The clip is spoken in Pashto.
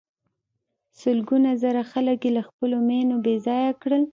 سلګونه زره خلک یې له خپلو مېنو بې ځایه کړل.